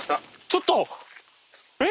ちょっと！え？